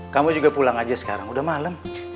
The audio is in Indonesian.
kamu juga pulang aja sekarang udah malam